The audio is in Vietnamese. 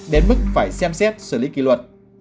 đến mức phải xem xét xử lý kỷ luật